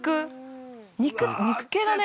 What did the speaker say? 肉系だね。